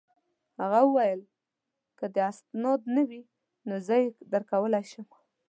هغه وویل: که دي اسناد نه وي، زه يې درکولای شم.